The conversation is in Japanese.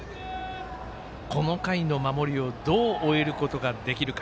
この回の守りをどう終えることができるか。